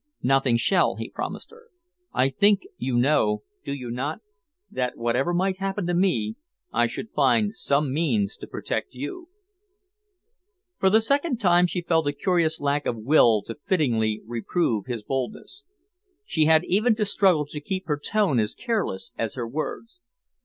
"Nothing shall," he promised her. "I think you know, do you not, that, whatever might happen to me, I should find some means to protect you." For the second time she felt a curious lack of will to fittingly reprove his boldness. She had even to struggle to keep her tone as careless as her words.